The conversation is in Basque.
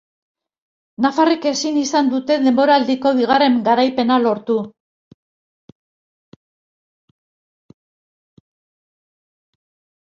Nafarrek ezin izan dute denboraldiko bigarren garaipena lortu.